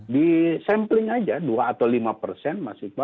disampling aja dua atau lima persen